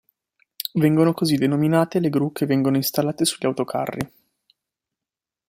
Vengono così denominate le gru che vengono installate sugli autocarri.